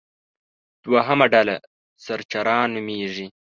دوهمه ډله سرچران نومېږي.